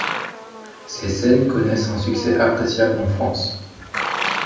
Ces scènes connaissent un succès appréciable en France.